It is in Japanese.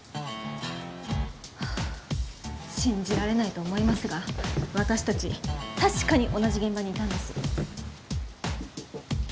はぁ信じられないと思いますが私たち確かに同じ現場にいたんです。